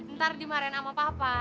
ntar dimarain sama papa